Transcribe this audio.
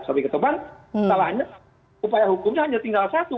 tapi ketemuan salahnya upaya hukumnya hanya tinggal satu